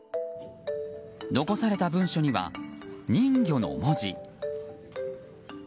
残された文書には、人魚の文字。